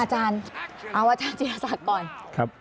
อาจารย์เอาอาจารย์จีรศักดิ์ก่อน